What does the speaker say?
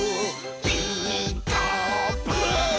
「ピーカーブ！」